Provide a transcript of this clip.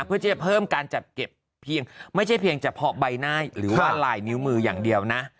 เพื่อที่จะเพิ่มการจัดเก็บเพียงไม่ใช่เพียงเฉพาะใบหน้าหรือว่าลายนิ้วมืออย่างเดียวนะ